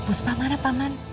puspa marah paman